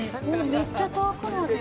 めっちゃ遠くまで。